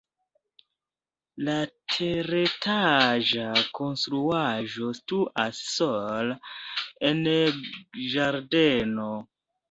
La teretaĝa konstruaĵo situas sola en ĝardeno.